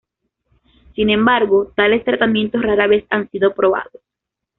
Sin embargo, tales tratamientos rara vez han sido probados.